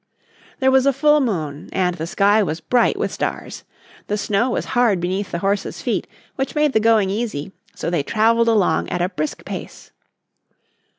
There was a full moon and the sky was bright with stars. The snow was hard beneath the horse's feet, which made the going easy, so they traveled along at a brisk pace.